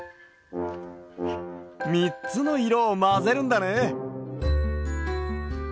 みっつのいろをまぜるんだね。